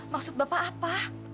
maksud bapak apa